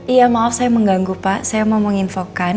iya maaf saya mengganggu pak saya mau menginfokan